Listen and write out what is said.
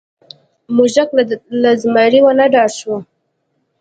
موږک له زمري ونه ډار شو.